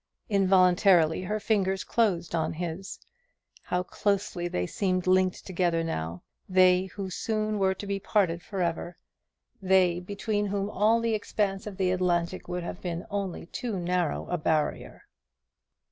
Involuntarily her fingers closed on his. How closely they seemed linked together now; they who so soon were to be for ever parted; they between whom all the expanse of the Atlantic would have been only too narrow a barrier!